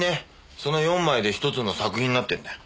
その４枚で１つの作品になってるんだよ。